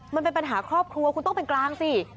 มันเป็นปัญหาครอบครัวคุณต้องเป็นกลางสิ